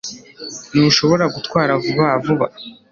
Ntushobora gutwara vuba vuba?